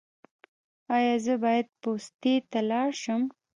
ایا زه باید پوستې ته لاړ شم؟